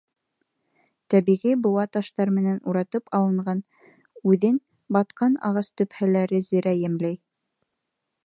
Тәбиғи быуа таштар менән уратып алынған, үҙен батҡан ағас төпһәләре зерә йәмләй.